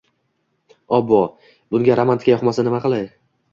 Obbo, bunga romantika yoqmasa nima qilay